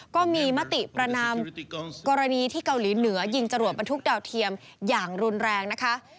ก็มีมติประนามกรณีที่เกาหลีเหนือยิงจรวดบรรทุกดาวเทียมอย่างรุนแรงนะคะ